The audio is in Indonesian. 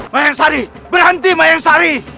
mayangsari berhenti mayangsari